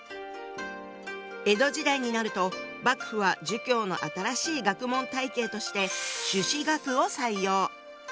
江戸時代になると幕府は「儒教」の新しい学問体系として「朱子学」を採用。